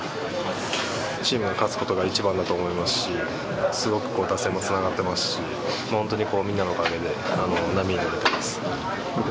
チームが勝つことが一番だと思いますし、すごく打線もつながってますし、本当にこう、みんなのおかげで波に乗れています。